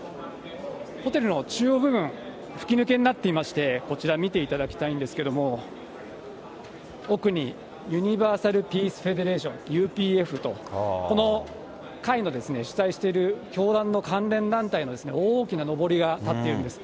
ホテルの中央部分、吹き抜けになっていまして、こちら見ていただきたいんですけれども、奥にユニバーサル・ピース・フェデレーション・ＵＰＦと、この会の主催している教団の関連団体の大きなのぼりが立っているんです。